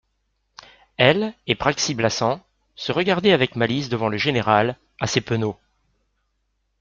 Elle et Praxi-Blassans se regardaient avec malice devant le général, assez penaud.